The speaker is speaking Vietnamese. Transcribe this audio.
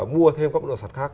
mua thêm các bất động sản khác